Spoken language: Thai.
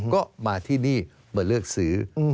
ก็มาที่นี่มาเลือกซื้อ